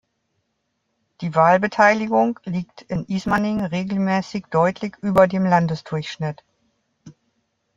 Die Wahlbeteiligung liegt in Ismaning regelmäßig deutlich über dem Landesdurchschnitt.